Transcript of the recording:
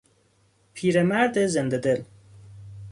پیرمرد زنده دل